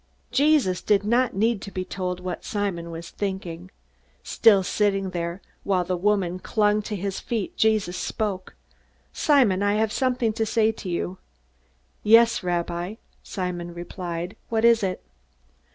_ Jesus did not need to be told what Simon was thinking. Still sitting there, while the woman clung to his feet, Jesus spoke. "Simon, I have something to say to you." "Yes, Rabbi?" Simon replied. "What is it?"